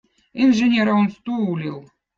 inženerõ on stuulil